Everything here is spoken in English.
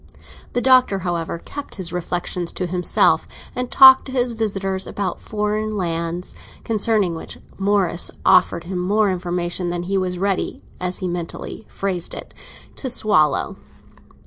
The Doctor, however, kept his reflexions to himself, and talked to his visitors about foreign lands, concerning which Morris offered him more information than he was ready, as he mentally phrased it, to swallow.